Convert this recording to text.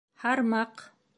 Һармаҡ!